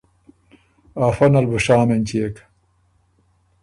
افۀ نل بُو شام اېنچيېک